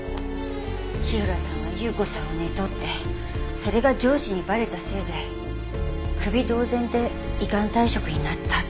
火浦さんは有雨子さんを寝取ってそれが上司にバレたせいでクビ同然で依願退職になったって。